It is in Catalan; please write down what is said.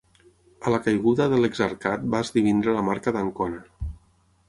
A la caiguda de l'exarcat va esdevenir la Marca d'Ancona.